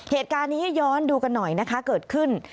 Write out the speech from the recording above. เหตุการณ์นี้ย้อนดูกันหน่อยนะคะเกิดขึ้น